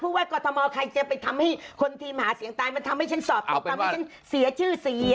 ว่ากรทมใครจะไปทำให้คนทีมหาเสียงตายมันทำให้ฉันสอบตกทำให้ฉันเสียชื่อเสียง